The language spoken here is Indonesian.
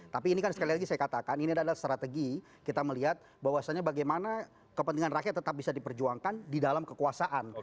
tapi ini kan sekali lagi saya katakan ini adalah strategi kita melihat bahwasannya bagaimana kepentingan rakyat tetap bisa diperjuangkan di dalam kekuasaan